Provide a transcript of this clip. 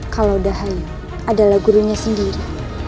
kalau dahaya adalah gurunya sendiri